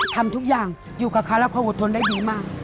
ทำทุกอย่างอยู่กับค้าและควดทนได้ดีมาก